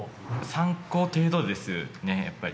参考程度ですね、やっぱり。